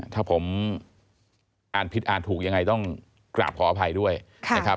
ถ้าผมอ่านผิดอ่านถูกยังไงต้องกราบขออภัยด้วยนะครับ